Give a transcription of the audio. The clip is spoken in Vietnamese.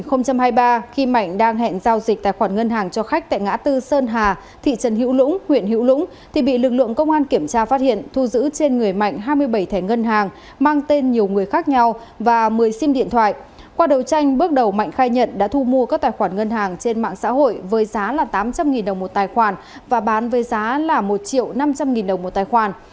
qua đầu tranh bước đầu mạnh khai nhận đã thu mua các tài khoản ngân hàng trên mạng xã hội với giá là tám trăm linh đồng một tài khoản và bán với giá là một năm trăm linh đồng một tài khoản